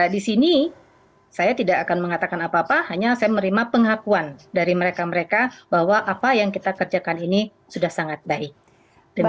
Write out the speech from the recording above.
di sini saya tidak akan mengatakan apa apa hanya saya menerima pengakuan dari mereka mereka bahwa apa yang kita kerjakan ini sudah sangat baik